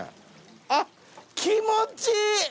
あっ気持ちいい！